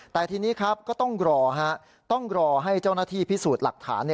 แต่ทีนี้ครับก็ต้องรอต้องรอให้เจ้าหน้าที่พิสูจน์หลักฐาน